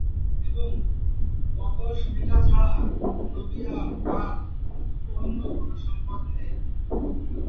বসতভিটা ছাড়া নবীয়ার কার অন্য কোনো সম্পদ নেই?